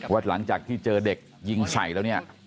หลังจากที่เจอเด็กยิงใส่แล้วเนี่ย